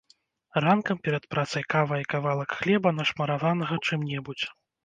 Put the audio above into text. Ранкам перад працай кава і кавалак хлеба, нашмараванага чым-небудзь.